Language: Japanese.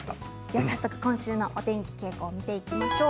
今週のお天気傾向を見ていきましょう。